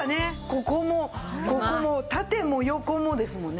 ここもここも縦も横もですもんね。